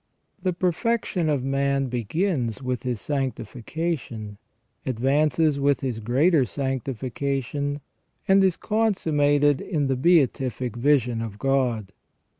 * The perfection of man begins with his sanctification, advances with his greater sanctification, and is consummated in the beatific vision of God.